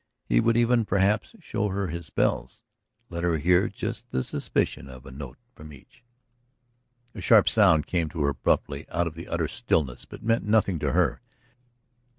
He would even, perhaps, show her his bells, let her hear just the suspicion of a note from each. ... A sharp sound came to her abruptly out of the utter stillness but meant nothing to her.